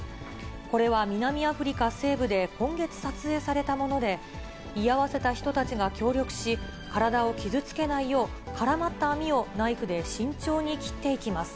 これは南アフリカ西部で今月撮影されたもので、居合わせた人たちが協力し、体を傷つけないよう、絡まった網をナイフで慎重に切っていきます。